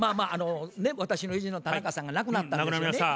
私の友人の田中さんが亡くなったんですよね。